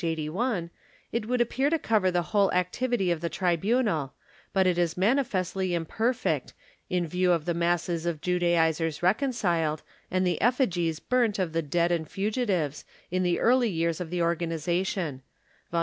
81) it would appear to cover the whole activity of the tribunal, but it is manifestly imperfect, in view of the masses of Judaizers recon ciled and the effigies burnt of the dead and fugitives, in the early years of the organization (Vol.